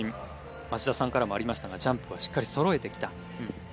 町田さんからもありましたがジャンプはしっかりそろえてきた。